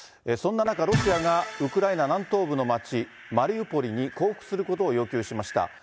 そんな中、ロシアがウクライナ南東部の街マリウポリに降伏することを要求しました。